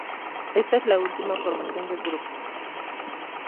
Ésta es la última formación del grupo.